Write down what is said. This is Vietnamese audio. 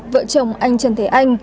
vợ chồng anh trần thế anh